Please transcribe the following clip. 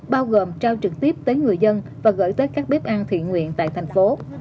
bao gồm trao trực tiếp tới người dân và gửi tới các bếp ăn thiện nguyện tại tp hcm